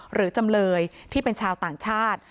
จำเลยที่เป็นชาวต่างชาติ